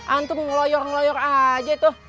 antum ngeloyor ngeloyor aja tuh